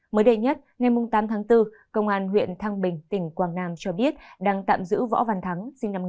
mới đây nhất ngày tám tháng bốn công an huyện thăng bình tỉnh quảng nam cho biết đang tạm giữ võ văn thắng